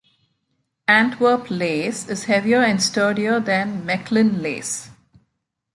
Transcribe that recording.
Antwerp lace is heavier and sturdier than Mechlin lace.